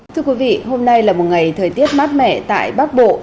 thưa quý vị hôm nay là một ngày thời tiết mát mẻ tại bắc bộ